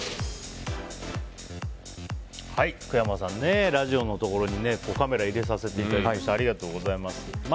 福山さん、ラジオのところにカメラを入れさせていただいてありがとうございます。